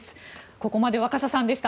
ここまで若狭さんでした。